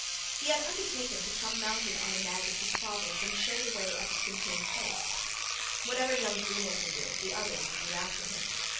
He had undertaken to come mounted on a nag of his father's, and show the way at the quintain post. Whatever young Greenacre did the others would do after him.